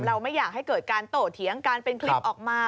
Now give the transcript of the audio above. ไม่อยากให้เกิดการโตเถียงการเป็นคลิปออกมา